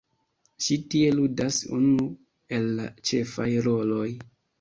Ŝi tie ludas unu el la ĉefaj roloj.